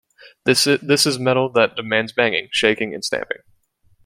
This is metal that demands banging, shaking and stamping.